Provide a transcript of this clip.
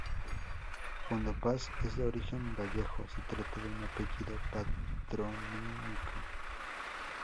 Cuando "Paz" es de origen gallego, se trata de un apellido patronímico.